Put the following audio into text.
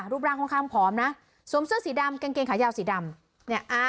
รูปร่างข้างผอมนะสวมเสื้อสีดำกางเกงขายาวสีดำเนี่ย